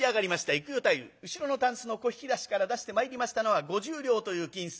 幾代太夫後ろのたんすの小引き出しから出してまいりましたのは五十両という金子。